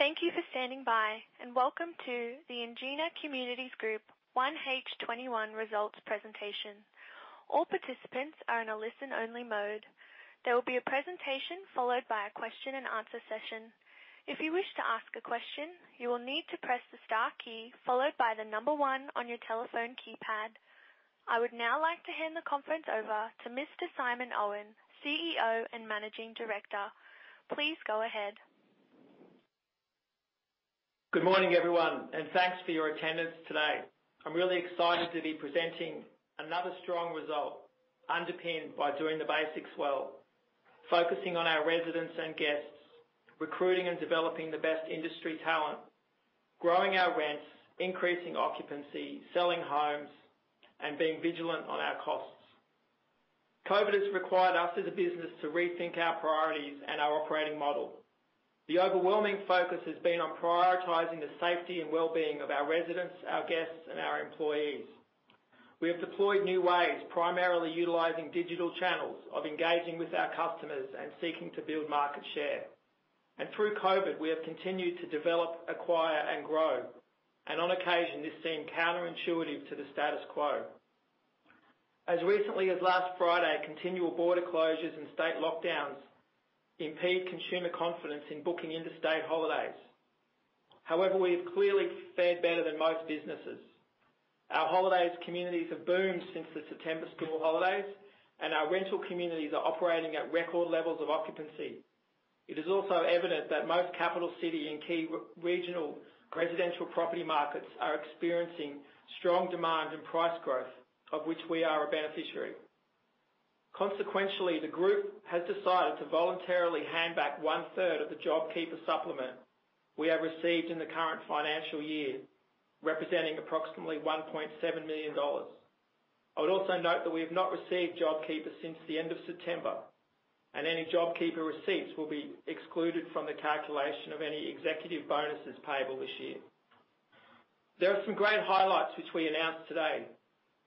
Thank you for standing by, welcome to the Ingenia Communities Group 1H21 Results Presentation. All participants are in a listen-only mode. There will be a presentation, followed by a question and answer session. If you wish to ask a question, you will need to press the star key, followed by the number one on your telephone keypad. I would now like to hand the conference over to Mr. Simon Owen, CEO and Managing Director. Please go ahead. Good morning, everyone, and thanks for your attendance today. I am really excited to be presenting another strong result underpinned by doing the basics well, focusing on our residents and guests, recruiting and developing the best industry talent, growing our rents, increasing occupancy, selling homes, and being vigilant on our costs. COVID has required us as a business to rethink our priorities and our operating model. The overwhelming focus has been on prioritizing the safety and wellbeing of our residents, our guests, and our employees. We have deployed new ways, primarily utilizing digital channels of engaging with our customers and seeking to build market share. Through COVID, we have continued to develop, acquire, and grow. On occasion, this seemed counterintuitive to the status quo. As recently as last Friday, continual border closures and state lockdowns impede consumer confidence in booking interstate holidays. However, we have clearly fared better than most businesses. Our Holidays communities have boomed since the September school holidays, and our rental communities are operating at record levels of occupancy. It is also evident that most capital city and key regional residential property markets are experiencing strong demand and price growth, of which we are a beneficiary. Consequentially, the group has decided to voluntarily hand back one-third of the JobKeeper supplement we have received in the current financial year, representing approximately 1.7 million dollars. I would also note that we have not received JobKeeper since the end of September, and any JobKeeper receipts will be excluded from the calculation of any executive bonuses payable this year. There are some great highlights which we announced today.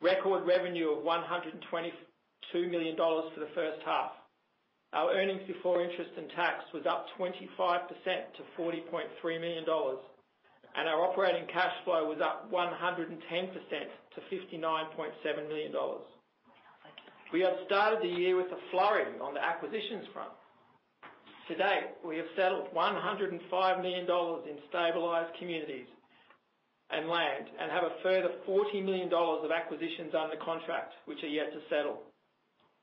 Record revenue of 122 million dollars for the first half. Our earnings before interest and tax was up 25% to 40.3 million dollars, and our operating cash flow was up 110% to 59.7 million dollars. We have started the year with a flurry on the acquisitions front. To date, we have settled 105 million dollars in stabilized communities and land and have a further 40 million dollars of acquisitions under contract, which are yet to settle.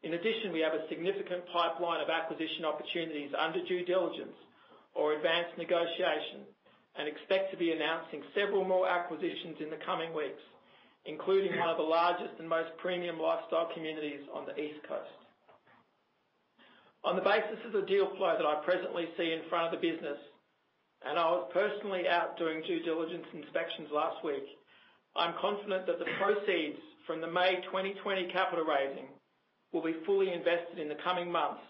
In addition, we have a significant pipeline of acquisition opportunities under due diligence or advanced negotiation and expect to be announcing several more acquisitions in the coming weeks, including one of the largest and most premium lifestyle communities on the East Coast. On the basis of the deal flow that I presently see in front of the business, and I was personally out doing due diligence inspections last week, I'm confident that the proceeds from the May 2020 capital raising will be fully invested in the coming months,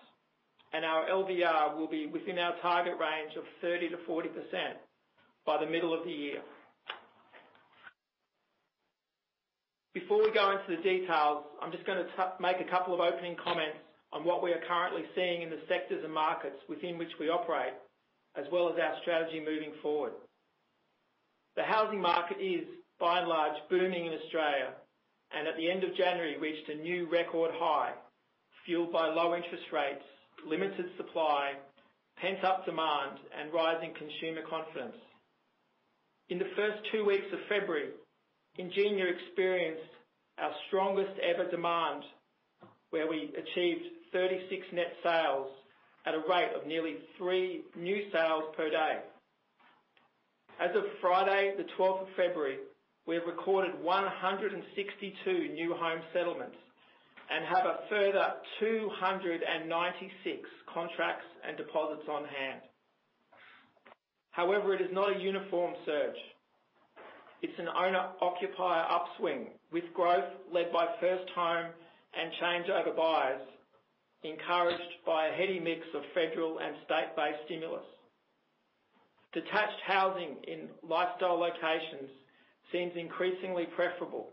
and our LVR will be within our target range of 30%-40% by the middle of the year. Before we go into the details, I'm just going to make a couple of opening comments on what we are currently seeing in the sectors and markets within which we operate, as well as our strategy moving forward. The housing market is, by and large, booming in Australia, and at the end of January, reached a new record high, fueled by low interest rates, limited supply, pent-up demand, and rising consumer confidence. In the first two weeks of February, Ingenia experienced our strongest ever demand, where we achieved 36 net sales at a rate of nearly three new sales per day. As of Friday, the 12th of February, we have recorded 162 new home settlements and have a further 296 contracts and deposits on hand. However, it is not a uniform surge. It's an owner-occupier upswing with growth led by first home and changeover buyers, encouraged by a heady mix of federal and state-based stimulus. Detached housing in lifestyle locations seems increasingly preferable,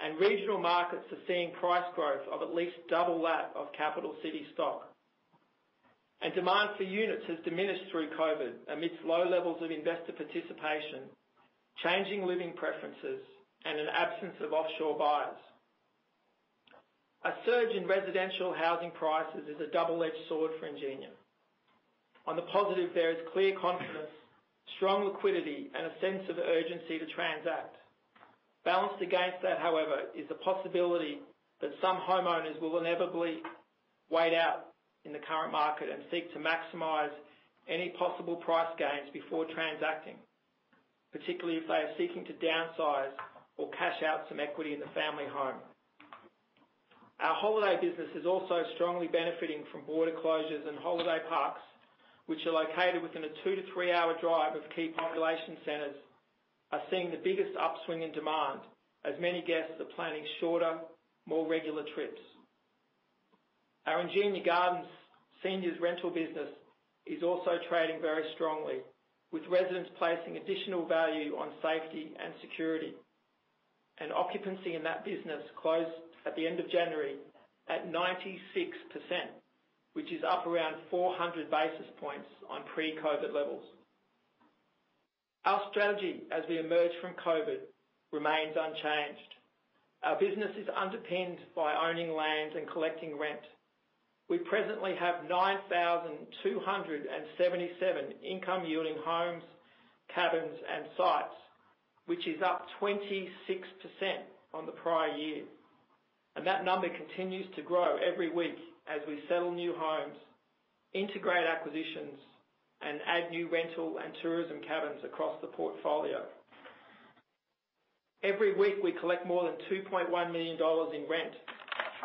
and regional markets are seeing price growth of at least double that of capital city stock. Demand for units has diminished through COVID amidst low levels of investor participation, changing living preferences, and an absence of offshore buyers. A surge in residential housing prices is a double-edged sword for Ingenia. On the positive, there is clear confidence, strong liquidity, and a sense of urgency to transact. Balanced against that, however, is the possibility that some homeowners will inevitably wait out in the current market and seek to maximize any possible price gains before transacting, particularly if they are seeking to downsize or cash out some equity in the family home. Our holiday business is also strongly benefiting from border closures and holiday parks, which are located within a two to three-hour drive of key population centers, are seeing the biggest upswing in demand as many guests are planning shorter, more regular trips. Our Ingenia Gardens seniors rental business is also trading very strongly, with residents placing additional value on safety and security. Occupancy in that business closed at the end of January at 96%, which is up around 400 basis points on pre-COVID levels. Our strategy as we emerge from COVID remains unchanged. Our business is underpinned by owning land and collecting rent. We presently have 9,277 income-yielding homes, cabins, and sites, which is up 26% on the prior year. That number continues to grow every week as we settle new homes, integrate acquisitions, and add new rental and tourism cabins across the portfolio. Every week, we collect more than 2.1 million dollars in rent,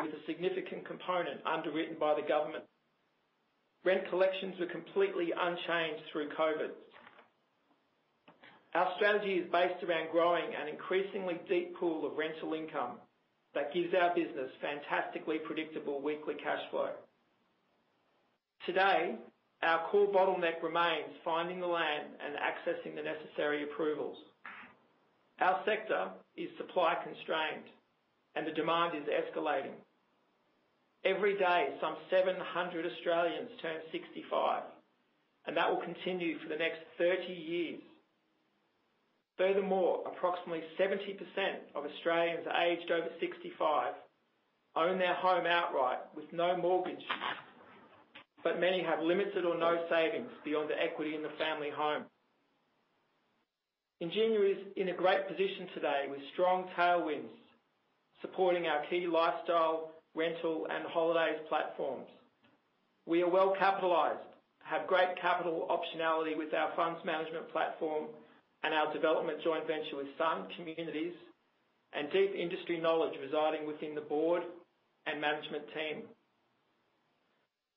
with a significant component underwritten by the government. Rent collections were completely unchanged through COVID. Our strategy is based around growing an increasingly deep pool of rental income that gives our business fantastically predictable weekly cash flow. Today, our core bottleneck remains finding the land and accessing the necessary approvals. Our sector is supply-constrained, and the demand is escalating. Every day, some 700 Australians turn 65, and that will continue for the next 30 years. Furthermore, approximately 70% of Australians aged over 65 own their home outright with no mortgage, but many have limited or no savings beyond the equity in the family home. Ingenia is in a great position today, with strong tailwinds supporting our key Lifestyle, rental, and Holidays platforms. We are well-capitalized, have great capital optionality with our funds management platform and our development joint venture with Sun Communities, and deep industry knowledge residing within the board and management team.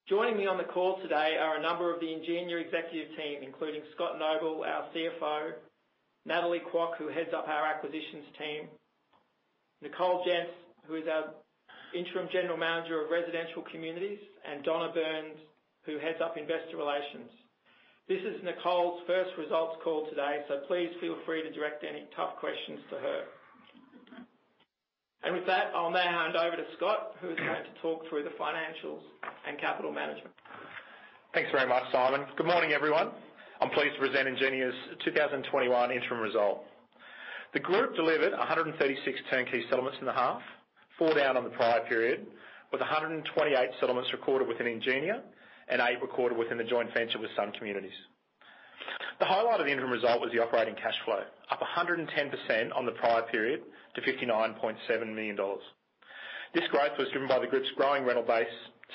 Joining me on the call today are a number of the Ingenia executive team, including Scott Noble, our CFO, Natalie Kwok, who heads up our acquisitions team, Nicole Jentz, who is our Interim General Manager of Residential Communities, and Donna Byrne, who heads up investor relations. This is Nicole's first results call today, please feel free to direct any tough questions to her. With that, I'll now hand over to Scott, who is going to talk through the financials and capital management. Thanks very much, Simon. Good morning, everyone. I'm pleased to present Ingenia's 2021 interim result. The group delivered 136 turnkey settlements in the half, four down on the prior period, with 128 settlements recorded within Ingenia and eight recorded within the joint venture with Sun Communities. The highlight of the interim result was the operating cash flow, up 110% on the prior period to 59.7 million dollars. This growth was driven by the group's growing rental base,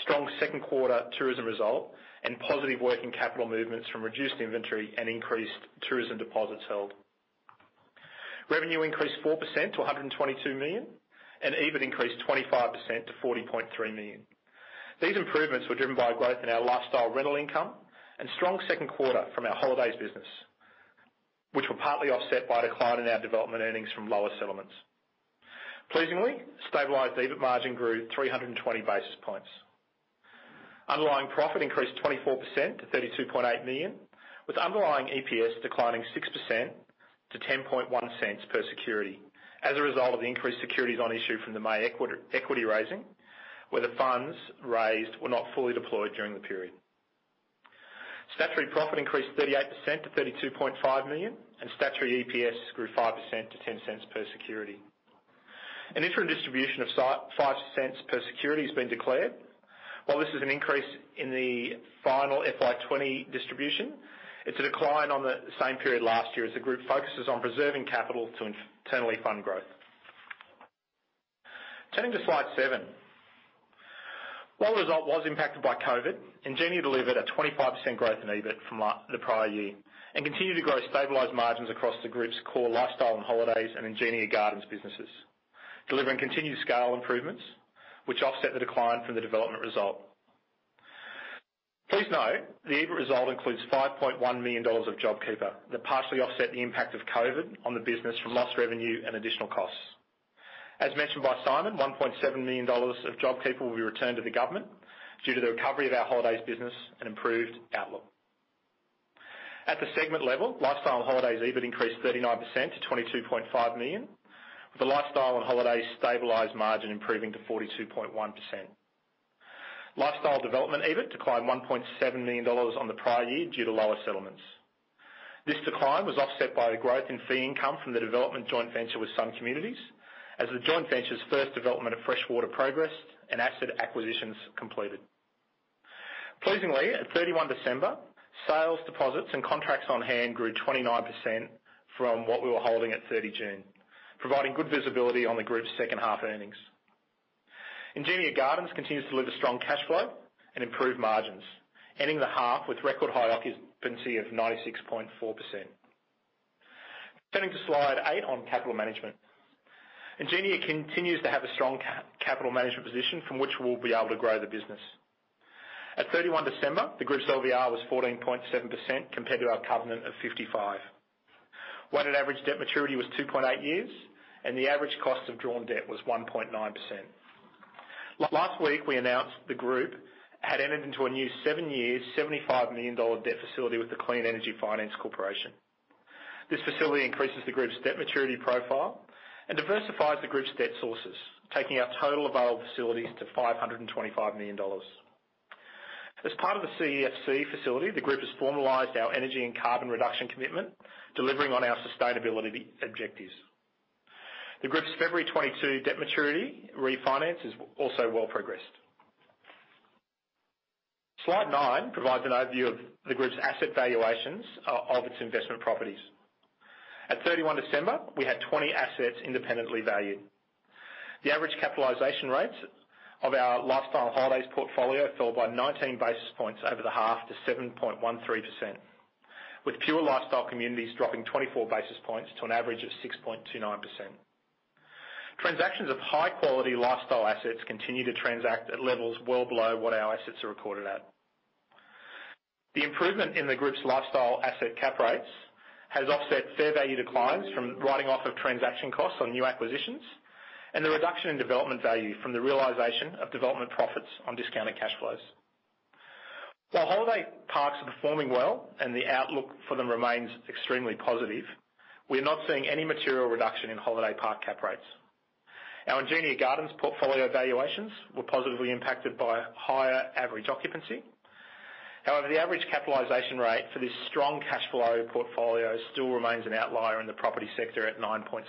strong second quarter tourism result, and positive working capital movements from reduced inventory and increased tourism deposits held. Revenue increased 4% to 122 million and EBIT increased 25% to 40.3 million. These improvements were driven by growth in our lifestyle rental income and strong second quarter from our holidays business, which were partly offset by a decline in our development earnings from lower settlements. Pleasingly, stabilized EBIT margin grew 320 basis points. Underlying profit increased 24% to 32.8 million, with underlying EPS declining 6% to 0.101 per security as a result of the increased securities on issue from the May equity raising, where the funds raised were not fully deployed during the period. Statutory profit increased 38% to 32.5 million, and statutory EPS grew 5% to 0.10 per security. An interim distribution of 0.05 per security has been declared. While this is an increase in the final FY 2020 distribution, it's a decline on the same period last year as the group focuses on preserving capital to internally fund growth. Turning to slide seven. While the result was impacted by COVID, Ingenia delivered a 25% growth in EBIT from the prior year and continued to grow stabilized margins across the group's core lifestyle and holidays and Ingenia Gardens businesses, delivering continued scale improvements, which offset the decline from the development result. Please note, the EBIT result includes 5.1 million dollars of JobKeeper that partially offset the impact of COVID on the business from lost revenue and additional costs. As mentioned by Simon, 1.7 million dollars of JobKeeper will be returned to the government due to the recovery of our holidays business and improved outlook. At the segment level, Lifestyle and Holidays EBIT increased 39% to 22.5 million, with the Lifestyle and Holidays stabilized margin improving to 42.1%. Lifestyle Development EBIT declined 1.7 million dollars on the prior year due to lower settlements. This decline was offset by the growth in fee income from the development joint venture with Sun Communities, as the joint venture's first development of Freshwater progressed and asset acquisitions completed. Pleasingly, at 31 December, sales deposits and contracts on hand grew 29% from what we were holding at 30 June, providing good visibility on the group's second half earnings. Ingenia Gardens continues to deliver strong cash flow and improve margins, ending the half with record high occupancy of 96.4%. Turning to slide eight on capital management. Ingenia continues to have a strong capital management position from which we'll be able to grow the business. At 31 December, the group's LVR was 14.7% compared to our covenant of 55. Weighted average debt maturity was 2.8 years, and the average cost of drawn debt was 1.9%. Last week, we announced the group had entered into a new seven-year, 75 million dollar debt facility with the Clean Energy Finance Corporation. This facility increases the group's debt maturity profile and diversifies the group's debt sources, taking our total available facilities to 525 million dollars. As part of the CEFC facility, the group has formalized our energy and carbon reduction commitment, delivering on our sustainability objectives. The group's February 2022 debt maturity refinance is also well progressed. Slide nine provides an overview of the group's asset valuations of its investment properties. At 31 December, we had 20 assets independently valued. The average capitalization rates of our Lifestyle and Ingenia Holidays portfolio fell by 19 basis points over the half to 7.13%, with pure lifestyle communities dropping 24 basis points to an average of 6.29%. Transactions of high-quality lifestyle assets continue to transact at levels well below what our assets are recorded at. The improvement in the group's lifestyle asset cap rates has offset fair value declines from writing off of transaction costs on new acquisitions and the reduction in development value from the realization of development profits on discounted cash flows. While holiday parks are performing well and the outlook for them remains extremely positive, we are not seeing any material reduction in holiday park cap rates. Our Ingenia Gardens portfolio valuations were positively impacted by higher average occupancy. The average capitalization rate for this strong cash flow portfolio still remains an outlier in the property sector at 9.65%.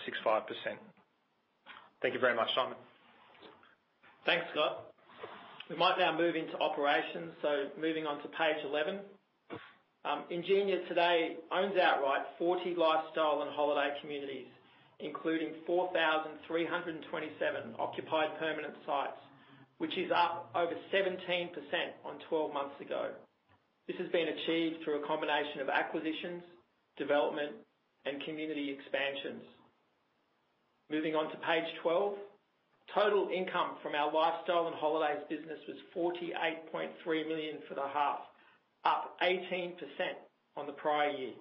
Thank you very much. Simon. Thanks, Scott. We might now move into operations, so moving on to page 11. Ingenia today owns outright 40 Lifestyle and Holiday communities, including 4,327 occupied permanent sites, which is up over 17% on 12 months ago. This has been achieved through a combination of acquisitions, development, and community expansions. Moving on to page 12. Total income from our Lifestyle and Holidays business was 48.3 million for the half, up 18% on the prior year.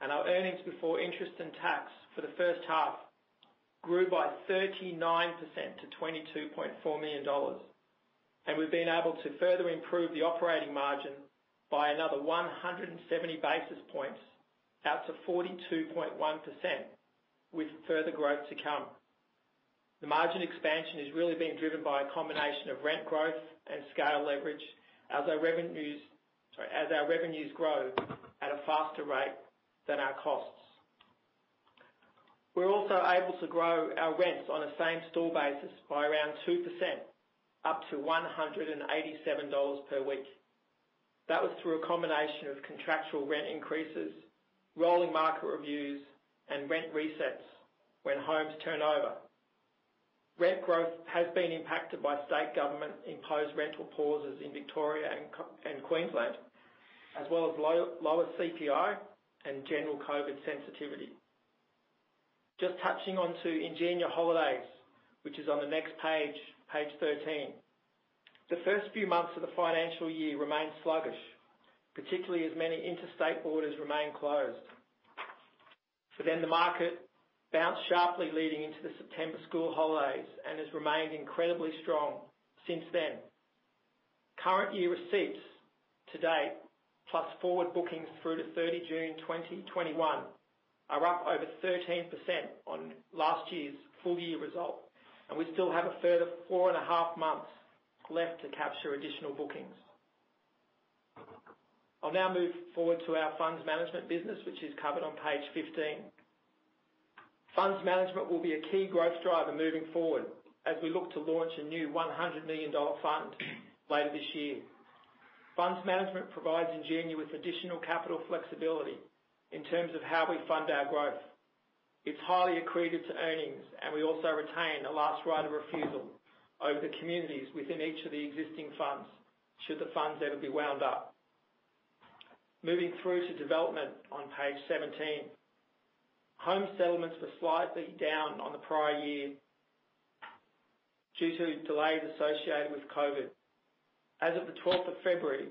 Our earnings before interest and tax for the first half grew by 39% to 22.4 million dollars. We've been able to further improve the operating margin by another 170 basis points out to 42.1% with further growth to come. The margin expansion is really being driven by a combination of rent growth and scale leverage as our revenues grow at a faster rate than our costs. We were also able to grow our rents on a same-store basis by around 2%, up to 187 dollars per week. That was through a combination of contractual rent increases, rolling market reviews, and rent resets when homes turn over. Rent growth has been impacted by state government-imposed rental pauses in Victoria and Queensland, as well as lower CPI and general COVID sensitivity. Just touching on to Ingenia Holidays, which is on the next page 13. The first few months of the financial year remained sluggish, particularly as many interstate borders remained closed. The market bounced sharply leading into the September school holidays and has remained incredibly strong since then. Current year receipts to date, plus forward bookings through to 30 June 2021, are up over 13% on last year's full-year result. We still have a further four and a half months left to capture additional bookings. I'll now move forward to our Funds Management business, which is covered on page 15. Funds Management will be a key growth driver moving forward as we look to launch a new 100 million dollar fund later this year. Funds Management provides Ingenia with additional capital flexibility in terms of how we fund our growth. It's highly accretive to earnings. We also retain a last right of refusal over the communities within each of the existing funds, should the funds ever be wound up. Moving through to Development on page 17. Home settlements were slightly down on the prior year due to delays associated with COVID. As of the 12th of February,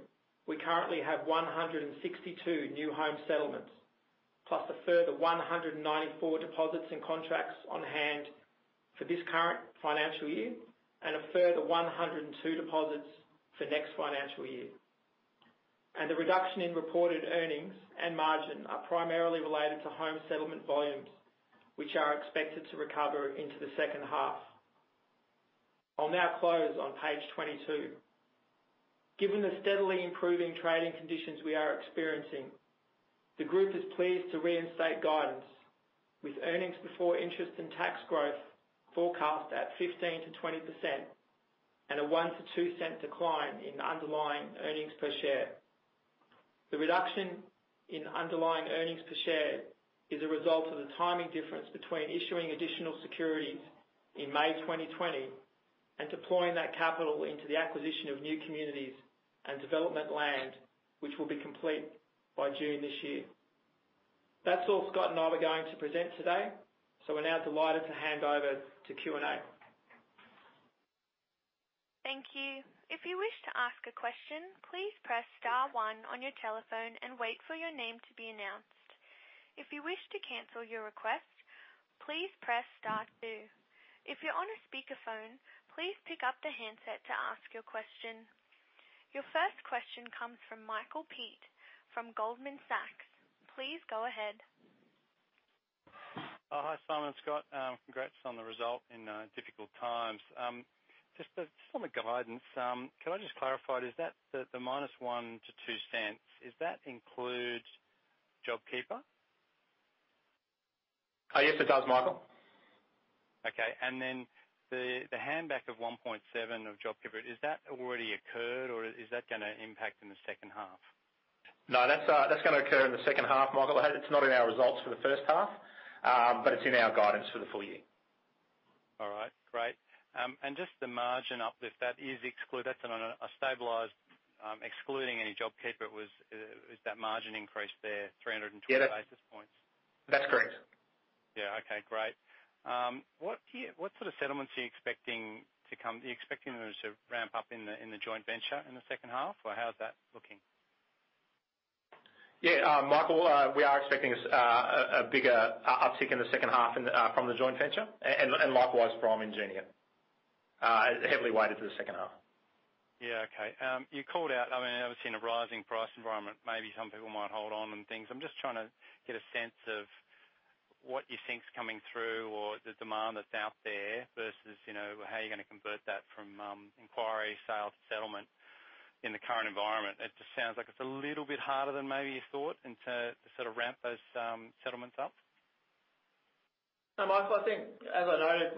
we currently have 162 new home settlements, plus a further 194 deposits and contracts on hand for this current financial year, and a further 102 deposits for next financial year. The reduction in reported earnings and margin are primarily related to home settlement volumes, which are expected to recover into the second half. I'll now close on page 22. Given the steadily improving trading conditions we are experiencing, the group is pleased to reinstate guidance with earnings before interest and tax growth forecast at 15%-20% and an 0.01-0.02 decline in underlying earnings per share. The reduction in underlying earnings per share is a result of the timing difference between issuing additional securities in May 2020 and deploying that capital into the acquisition of new communities and development land, which will be complete by June this year. That's all Scott and I were going to present today, so we're now delighted to hand over to Q&A. Thank you. If you wish to ask a question, please press star one on your telephone and wait for your name to be announced. If you wish to cancel your request, please press star two. If you're on a speakerphone, please pick up the handset to ask your question. Your first question comes from Michael Peet from Goldman Sachs. Please go ahead. Hi, Simon and Scott. Congrats on the result in difficult times. Just on the guidance, can I just clarify, the minus 0.01-0.02, does that include JobKeeper? Yes, it does, Michael. Okay. Then the handback of 1.7 of JobKeeper, has that already occurred, or is that going to impact in the second half? No, that's going to occur in the second half, Michael. It's not in our results for the first half, but it's in our guidance for the full year. All right, great. Just the margin uplift that is excluded on a stabilized, excluding any JobKeeper, is that margin increase there 320 basis points? That's correct. Yeah. Okay, great. What sort of settlements are you expecting? Are you expecting those to ramp up in the joint venture in the second half, or how's that looking? Yeah, Michael, we are expecting a bigger uptick in the second half from the joint venture, and likewise from Ingenia. Heavily weighted to the second half. Yeah. Okay. You called out, obviously, in a rising price environment, maybe some people might hold on and things. I'm just trying to get a sense of what you think is coming through, or the demand that's out there versus how you're going to convert that from inquiry, sales to settlement in the current environment. It just sounds like it's a little bit harder than maybe you thought to ramp those settlements up. Michael, I think as I noted,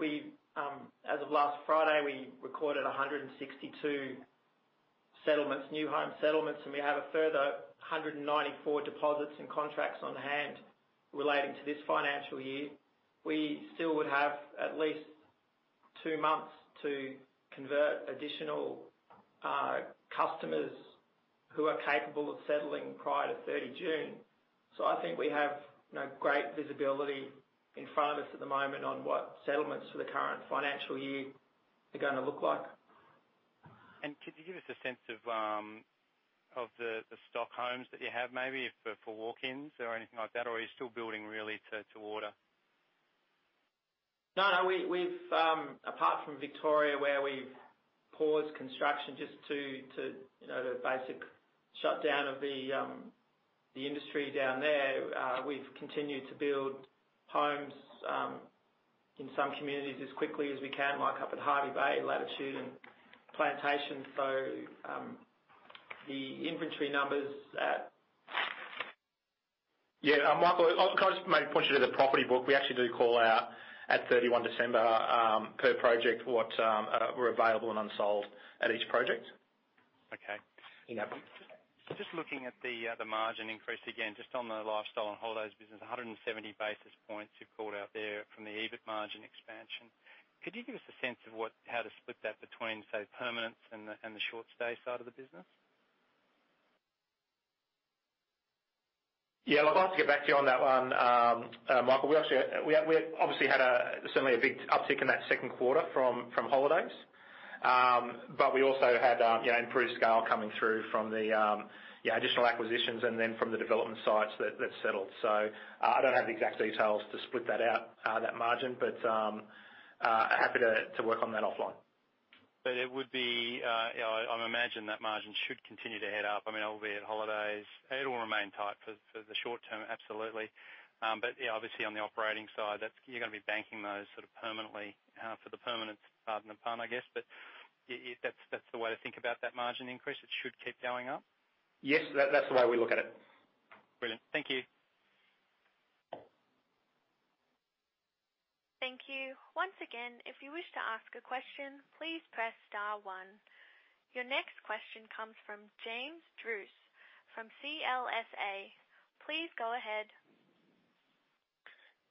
as of last Friday, we recorded 162 new home settlements, and we have a further 194 deposits and contracts on hand relating to this financial year. We still would have at least two months to convert additional customers who are capable of settling prior to 30 June. I think we have great visibility in front of us at the moment on what settlements for the current financial year are going to look like. Could you give us a sense of the stock homes that you have maybe for walk-ins or anything like that, or are you still building really to order? No, apart from Victoria where we've paused construction just to the basic shutdown of the industry down there, we've continued to build homes in some communities as quickly as we can, like up at Hervey Bay, Latitude and Plantation. Yeah, Michael, I'll maybe point you to the property book. We actually do call out at 31 December per project what were available and unsold at each project. Okay. Yeah. Just looking at the margin increase again, just on the lifestyle and holidays business, 170 basis points you called out there from the EBIT margin expansion. Could you give us a sense of how to split that between, say, permanents and the short stay side of the business? I'd like to get back to you on that one, Michael. We obviously had certainly a big uptick in that second quarter from holidays. We also had improved scale coming through from the additional acquisitions and then from the development sites that settled. I don't have the exact details to split that out, that margin, but happy to work on that offline. I imagine that margin should continue to head up. I mean, albeit holidays, it'll remain tight for the short term, absolutely. Yeah, obviously on the operating side, you're going to be banking those permanently for the permanence, pardon the pun, I guess. That's the way to think about that margin increase. It should keep going up? Yes. That's the way we look at it. Brilliant. Thank you. Thank you. Once again, if you wish to ask a question, please press star one. Your next question comes from James Druce from CLSA. Please go ahead.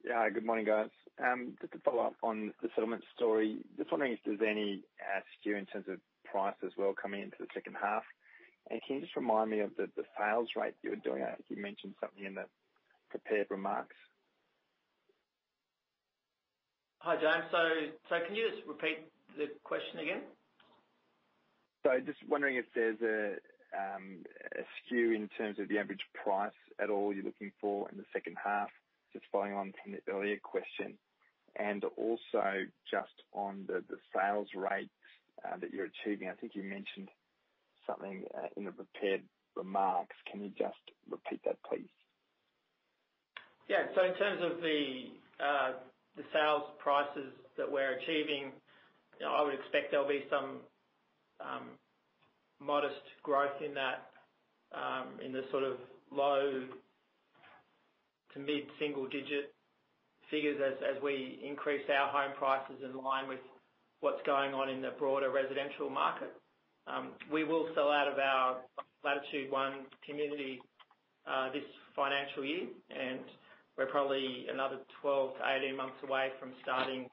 Yeah. Good morning, guys. Just to follow up on the settlement story, just wondering if there's any skew in terms of price as well coming into the second half? Can you just remind me of the sales rate you were doing? I think you mentioned something in the prepared remarks. Hi, James. Can you just repeat the question again? Just wondering if there's a skew in terms of the average price at all you're looking for in the second half, just following on from the earlier question. Also just on the sales rates that you're achieving. I think you mentioned something in the prepared remarks. Can you just repeat that, please? Yeah. In terms of the sales prices that we're achieving, I would expect there will be some modest growth in the low to mid-single-digit figures as we increase our home prices in line with what is going on in the broader residential market. We will sell out of our Latitude One community this financial year, and we are probably another 12-18 months away from starting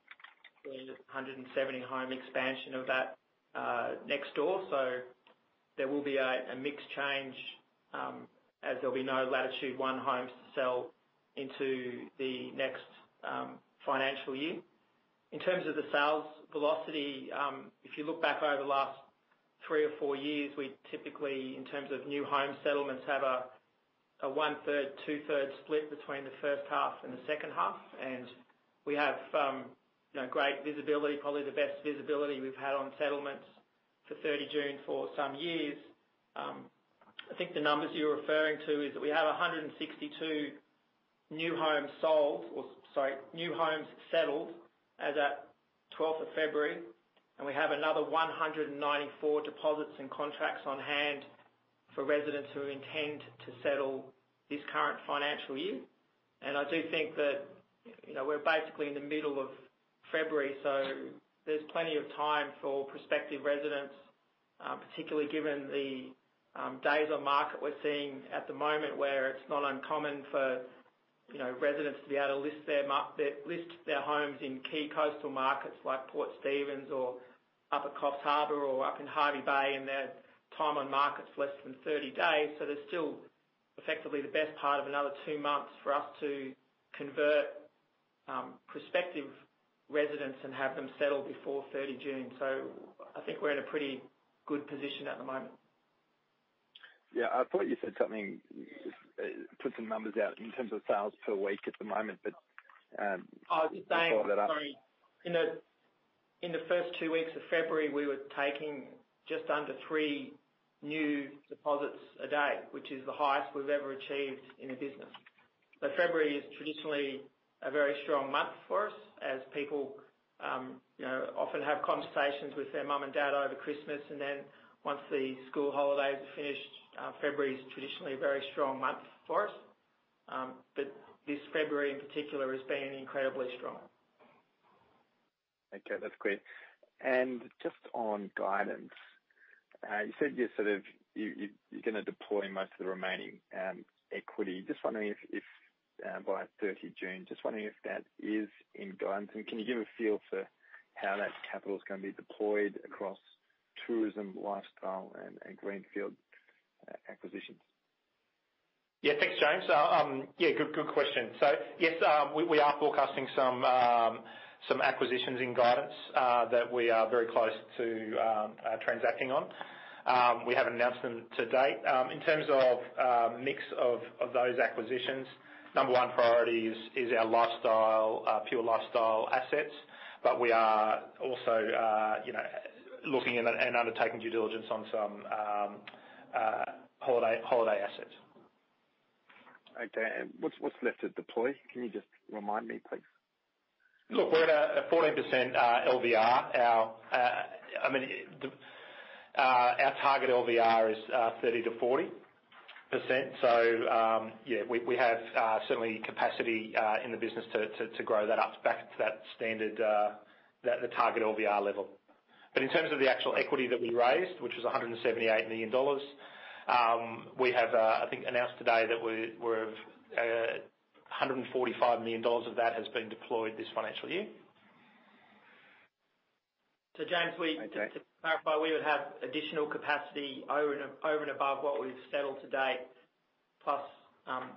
the 170 home expansion of that next door. There will be a mix change, as there will be no Latitude One homes to sell into the next financial year. In terms of the sales velocity, if you look back over the last three or four years, we typically, in terms of new home settlements, have a one-third, two-third split between the first half and the second half. We have great visibility, probably the best visibility we've had on settlements for 30 June for some years. I think the numbers you're referring to is that we have 162 new homes sold or, sorry, new homes settled as at February 12, and we have another 194 deposits and contracts on hand for residents who intend to settle this current financial year. I do think that we're basically in the middle of February, so there's plenty of time for prospective residents, particularly given the days on market we're seeing at the moment, where it's not uncommon for residents to be able to list their homes in key coastal markets like Port Stephens or up at Coffs Harbour or up in Hervey Bay, and their time on market's less than 30 days. There's still effectively the best part of another two months for us to convert prospective residents and have them settle before 30 June. I think we're in a pretty good position at the moment. Yeah. I thought you said something, put some numbers out in terms of sales per week at the moment. I was just saying- Follow that up. sorry. In the first two weeks of February, we were taking just under three new deposits a day, which is the highest we've ever achieved in the business. February is traditionally a very strong month for us as people often have conversations with their mom and dad over Christmas, and then once the school holidays are finished, February is traditionally a very strong month for us. This February in particular has been incredibly strong. Okay, that's clear. Just on guidance, you said you're gonna deploy most of the remaining equity. Just wondering if, by 30 June, just wondering if that is in guidance and can you give a feel for how that capital is gonna be deployed across tourism, lifestyle and greenfield acquisitions? Yeah. Thanks, James. Yeah, good question. Yes, we are forecasting some acquisitions in guidance that we are very close to transacting on. We haven't announced them to date. In terms of mix of those acquisitions, number one priority is our lifestyle, pure Lifestyle assets. We are also looking and undertaking due diligence on some holiday assets. Okay. What's left to deploy? Can you just remind me, please? Look, we're at a 14% LVR. Our target LVR is 30%-40%. Yeah, we have certainly capacity in the business to grow that up back to that standard, the target LVR level. In terms of the actual equity that we raised, which was 178 million dollars, we have, I think, announced today that we're at 145 million dollars of that has been deployed this financial year. James, to clarify, we would have additional capacity over and above what we've settled to date, plus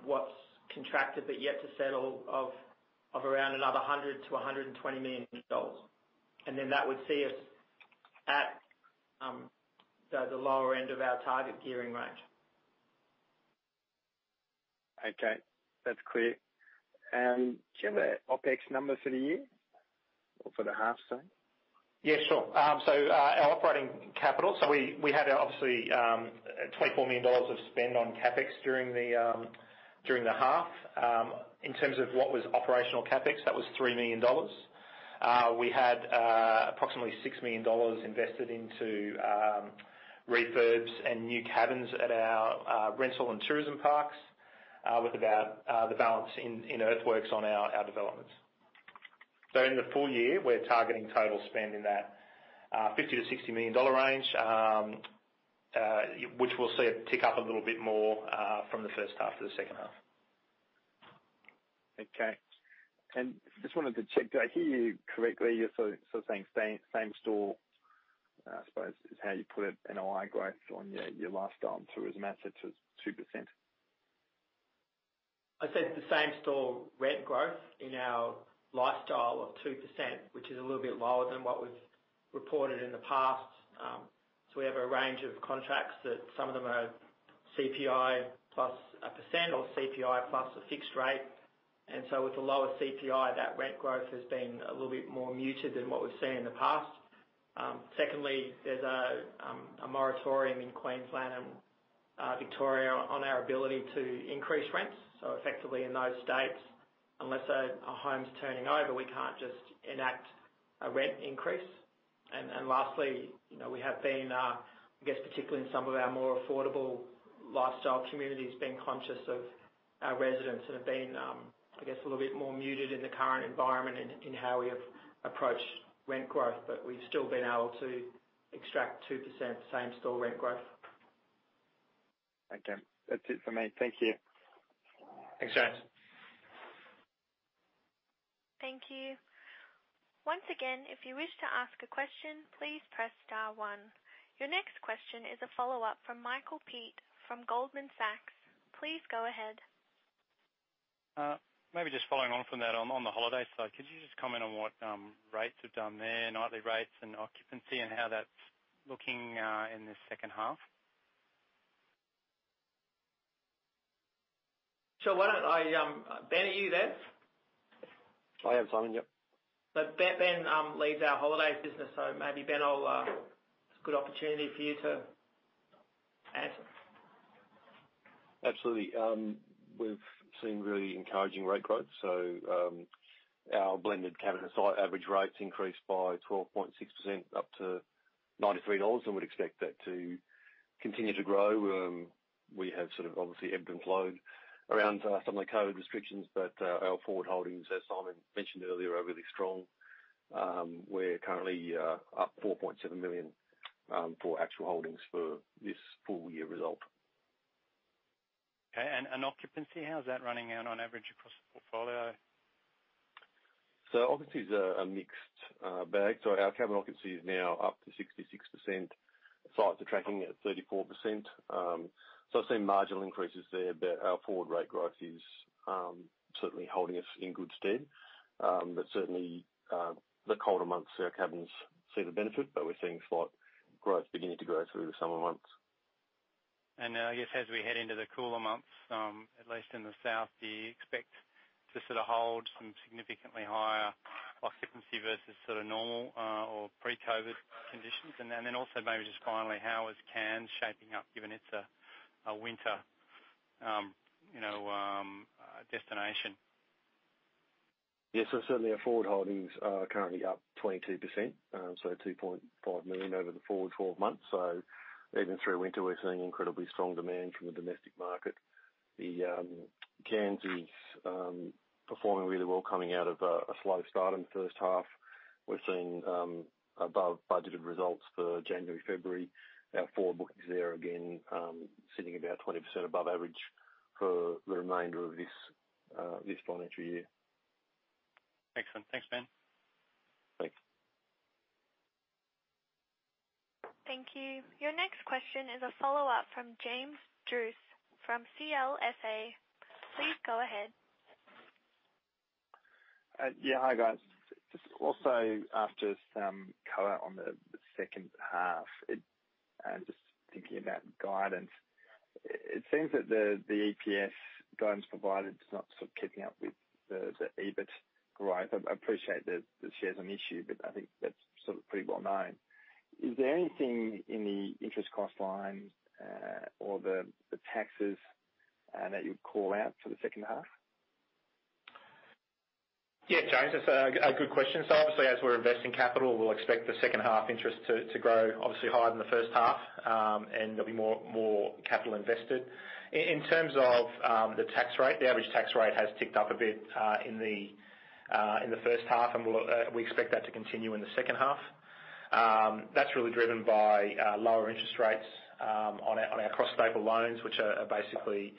what's contracted but yet to settle of around another 100 million-120 million dollars. That would see us at the lower end of our target gearing range. Okay. That's clear. Do you have the OPEX numbers for the year or for the half, sorry? Yeah, sure. Our operating capital, we had obviously 24 million dollars of spend on CapEx during the half. In terms of what was operational CapEx, that was 3 million dollars. We had approximately 6 million dollars invested into refurbs and new cabins at our rental and tourism parks, with about the balance in earthworks on our developments. In the full year, we're targeting total spend in that 50 million-60 million dollar range, which we'll see it tick up a little bit more from the first half to the second half. Okay. Just wanted to check, do I hear you correctly? You're saying same-store, I suppose, is how you put it, NOI growth on your lifestyle and tourism assets was 2%? I said the same-store rent growth in our Lifestyle of 2%, which is a little bit lower than what we've reported in the past. We have a range of contracts that some of them are CPI plus a % or CPI plus a fixed rate. With the lower CPI, that rent growth has been a little bit more muted than what we've seen in the past. Secondly, there's a moratorium in Queensland and Victoria on our ability to increase rents. Effectively in those states, unless a home's turning over, we can't just enact a rent increase. Lastly, we have been, I guess particularly in some of our more affordable lifestyle communities, been conscious of our residents and have been, I guess, a little bit more muted in the current environment in how we have approached rent growth. We've still been able to extract 2% same-store rent growth. Okay. That's it for me. Thank you. Thanks, James. Thank you. Once again, if you wish to ask a question, please press star one. Your next question is a follow-up from Michael Peat from Goldman Sachs. Please go ahead. Maybe just following on from that. On the holiday side, could you just comment on what rates you've done there, nightly rates and occupancy, and how that's looking in the second half? Sure. Ben, are you there? I am, Simon. Yep. Ben leads our holidays business, so maybe, Ben, it's a good opportunity for you to answer. Absolutely. We've seen really encouraging rate growth. Our blended cabin and site average rates increased by 12.6% up to 93 dollars, and we'd expect that to continue to grow. We have obviously ebbed and flowed around some of the COVID restrictions, but our forward holdings, as Simon mentioned earlier, are really strong. We're currently up 4.7 million for actual holdings for this full year result. Okay. Occupancy, how's that running out on average across the portfolio? Obviously, it's a mixed bag. Our cabin occupancy is now up to 66%. Sites are tracking at 34%. Seeing marginal increases there, but our forward rate growth is certainly holding us in good stead. Certainly, the colder months, our cabins see the benefit, but we're seeing slight growth beginning to grow through the summer months. I guess as we head into the cooler months, at least in the south, do you expect to hold some significantly higher occupancy versus normal or pre-COVID conditions? Also maybe just finally, how is Cairns shaping up given it's a winter destination? Yes. Certainly, our forward holdings are currently up 22%, so 2.5 million over the forward 12 months. Even through winter, we're seeing incredibly strong demand from the domestic market. Cairns is performing really well coming out of a slow start in the first half. We're seeing above budgeted results for January, February. Our forward bookings there, again, sitting about 20% above average for the remainder of this financial year. Excellent. Thanks, Ben. Thanks. Thank you. Your next question is a follow-up from James Druce from CLSA. Please go ahead. Yeah. Hi, guys. Just also after some color on the second half, and just thinking about guidance. It seems that the EPS guidance provided is not keeping up with the EBIT growth. I appreciate that the shares on issue, but I think that's pretty well known. Is there anything in the interest cost line or the taxes that you'd call out for the second half? Yeah, James, that's a good question. Obviously, as we're investing capital, we'll expect the second half interest to grow, obviously, higher than the first half, and there'll be more capital invested. In terms of the tax rate, the average tax rate has ticked up a bit in the first half, and we expect that to continue in the second half. That's really driven by lower interest rates on our cross-staple loans, which are basically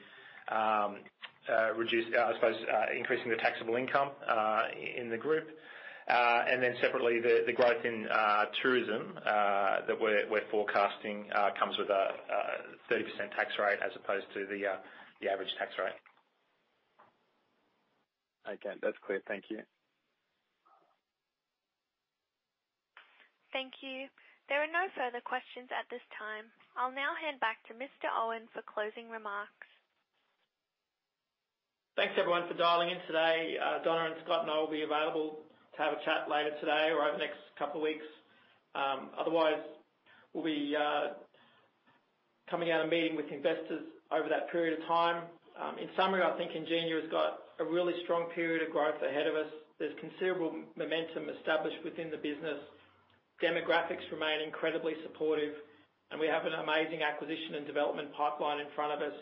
increasing the taxable income in the group. Separately, the growth in tourism that we're forecasting comes with a 30% tax rate as opposed to the average tax rate. Okay. That's clear. Thank you. Thank you. There are no further questions at this time. I will now hand back to Mr. Owen for closing remarks. Thanks, everyone, for dialing in today. Donna and Scott and I will be available to have a chat later today or over the next couple of weeks. We'll be coming out and meeting with investors over that period of time. In summary, I think Ingenia has got a really strong period of growth ahead of us. There's considerable momentum established within the business. Demographics remain incredibly supportive, and we have an amazing acquisition and development pipeline in front of us.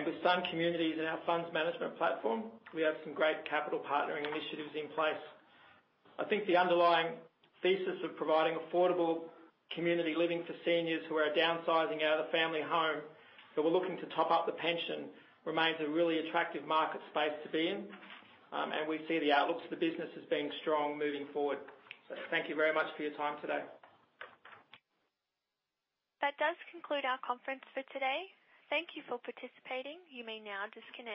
With Sun Communities and our funds management platform, we have some great capital partnering initiatives in place. I think the underlying thesis of providing affordable community living for seniors who are downsizing out of the family home but were looking to top up the pension remains a really attractive market space to be in, and we see the outlook for the business as being strong moving forward. Thank you very much for your time today. That does conclude our conference for today. Thank you for participating. You may now disconnect.